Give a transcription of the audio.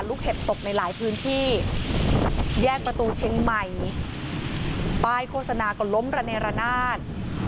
เห็บตกในหลายพื้นที่แยกประตูเชียงใหม่ป้ายโฆษณาก็ล้มระเนรนาศ